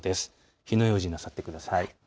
火の用心なさってください。